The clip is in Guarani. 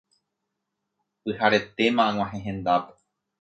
Pyharetéma ag̃uahẽ hendápe